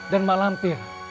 dan mak lampir